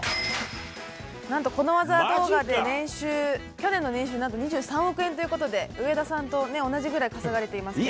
このスゴ技動画で去年の年収は何と２３億円ということで上田さんと同じくらい稼がれていますね。